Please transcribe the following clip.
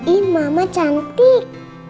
ih mama cantik